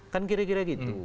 kan kira kira gitu